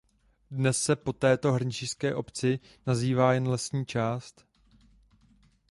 Dnes se po této hrnčířské obci nazývá jen lesní část.